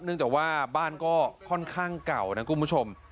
จากว่าบ้านก็ค่อนข้างเก่านะคุณผู้ชม